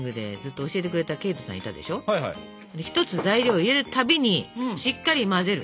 １つ材料を入れるたびにしっかり混ぜる。